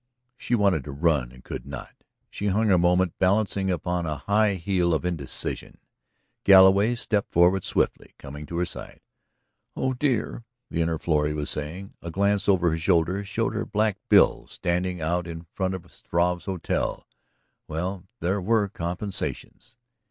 She wanted to run and could not. She hung a moment balancing upon a high heel in indecision. Galloway stepped forward swiftly, coming to her side. "Oh, dear," the inner Florrie was saying. A glance over her shoulder showed her Black Bill standing out in front of Struve's hotel. Well, there were compensations.